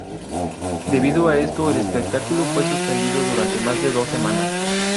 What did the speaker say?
Debido a esto el espectáculo fue suspendido durante más de dos semanas.